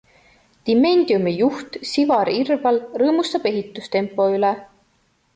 Dimediumi juht Sivar Irval rõõmustab ehitustempo üle.